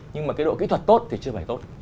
nhưng mà cái độ kỹ thuật tốt thì chưa phải tốt